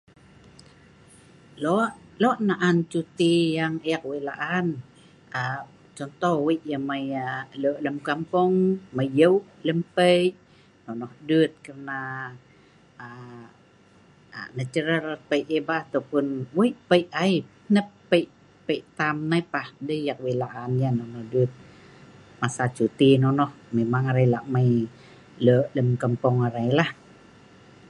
lok lok na'an cuti yang ek weik la'an aa contoh weik yeh mei yeh aa mei lok lem kampung mei yeu' lem pei nonoh dut kerana aa aa natural pei yah pah ataupun weik pei ai hnep pei pei tam nei pah dei ek weik la'an nyen dut masa cuti nonoh memang arai lak mei lok lem kampung arai lah